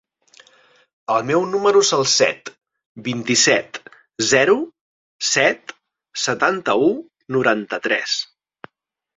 El meu número es el set, vint-i-set, zero, set, setanta-u, noranta-tres.